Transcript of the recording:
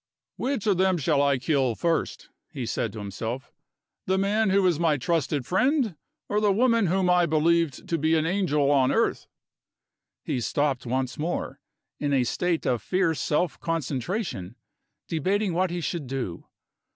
"Which of them shall I kill first?" he said to himself. "The man who was my trusted friend? Or the woman whom I believed to be an angel on earth?" He stopped once more, in a state of fierce self concentration, debating what he should do.